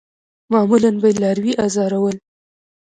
معمولاً به یې لاروي آزارول.